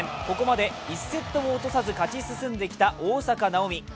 ここまで１セットも落とさず勝ち進んできた大坂なおみ。